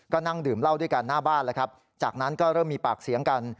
ก็นั่งดื่มเหล้าด้วยกันหน้าบ้านแล้วครับจากนั้นก็เริ่มมีปากเสียงกัน